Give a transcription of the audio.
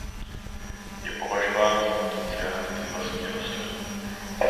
Je považována za potenciálně invazní rostlinu.